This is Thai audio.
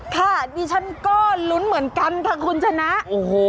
ค่ะดิฉันก็ลุ้นเหมือนกันค่ะคุณชนะโอ้โห